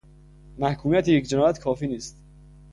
محکومیت یک جنایت کافی نیست